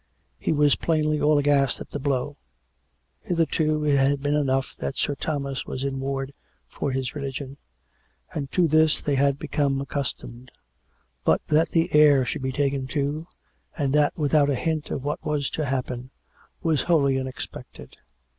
He was plainly all aghast at the blow. Hitherto it had been enough that Sir Thomas was in ward for his religion; and to this they had become accustomed. But that the heir should be taken, too, and that without a hint of what was to happen, was wholly unexpected.